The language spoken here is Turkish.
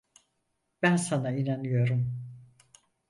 Ben sana inanıyorum.